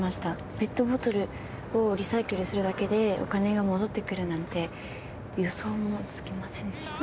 ペットボトルをリサイクルするだけでお金が戻ってくるなんて予想もつきませんでした。